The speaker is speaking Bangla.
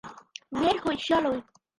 বের হই চলো!